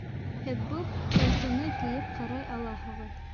Һеҙ был пальтоны кейеп ҡарай алаһығыҙ